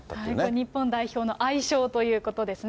日本代表の愛称ということですね。